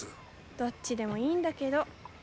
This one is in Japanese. どっちでもいいんだけど。